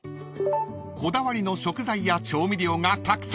［こだわりの食材や調味料がたくさん］